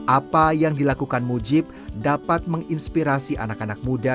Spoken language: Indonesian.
apa yang dilakukan mujib dapat menginspirasi anak anak muda